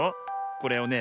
これをね